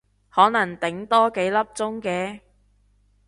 可能頂多幾粒鐘嘅